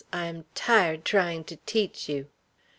I am tired trying to teach you."